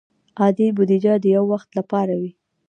عادي بودیجه د یو وخت لپاره وي.